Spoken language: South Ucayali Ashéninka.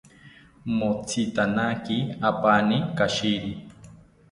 Motzitanaki apani kashiri